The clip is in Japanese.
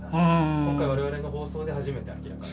今回我々の放送で初めて明らかに。